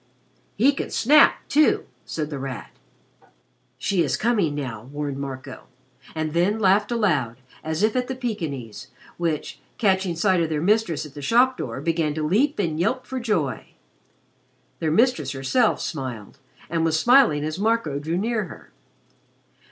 "He can snap, too," said The Rat. "She is coming now," warned Marco, and then laughed aloud as if at the Pekingese, which, catching sight of their mistress at the shop door, began to leap and yelp for joy. Their mistress herself smiled, and was smiling as Marco drew near her.